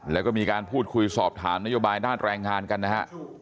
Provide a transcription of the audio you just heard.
แล้วก็มีการพูดคุยสอบถามนโยบายด้านแรงงานกันนะฮะ